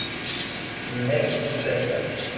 Mi ne suspektas.